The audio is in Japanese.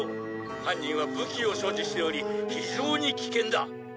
「犯人は武器を所持しており非常に危険だ」